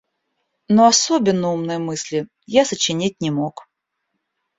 Но особенно умной мысли я сочинить не мог.